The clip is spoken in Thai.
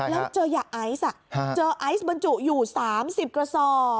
แล้วเจอยาไอซ์บรรจุอยู่๓๐กระสอบ